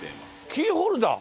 キーホルダー！？